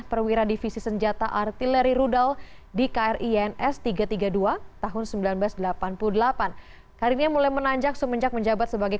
persiapan penandatanganan berita acara penandatanganan